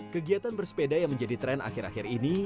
kegiatan bersepeda yang menjadi tren akhir akhir ini